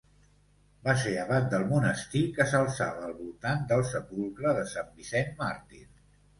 Va ser abat del monestir que s'alçava al voltant del sepulcre de Sant Vicent Màrtir.